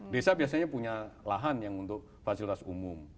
desa biasanya punya lahan yang untuk fasilitas umum